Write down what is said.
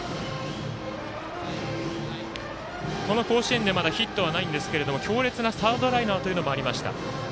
この甲子園でまだヒットはないんですが強烈なサードライナーというのもありました。